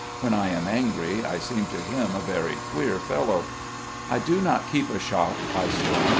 When I am angry I seem to him a very queer fellow. "I do not keep a shop," I storm.